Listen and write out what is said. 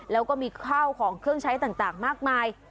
แล้วก็มีข้าวของเครื่องใช้ต่างมากมาย